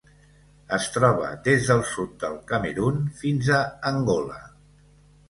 Es troba des del sud del Camerun fins a Angola.